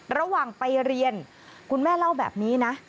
ระหว่างไปเรียนคุณแม่เล่าแบบนี้นะ